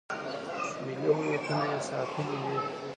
ملي هویتونه یې ساتلي وي.